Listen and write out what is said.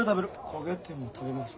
焦げても食べます。